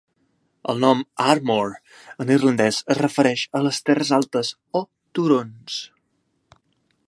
El nom "Ardmore" en irlandès es refereix a les terres altes o turons.